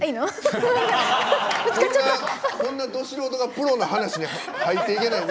こんなど素人がプロの話に入っていけない。